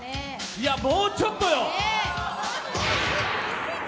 いや、もうちょっとよ！